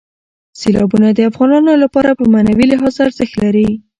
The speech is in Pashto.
سیلابونه د افغانانو لپاره په معنوي لحاظ ارزښت لري.